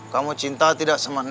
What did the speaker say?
kamu cinta tidak sama neng